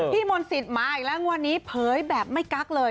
มนศิษย์มาอีกแล้วงวดนี้เผยแบบไม่กั๊กเลย